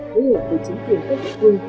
với hợp với chính quyền phép vật quân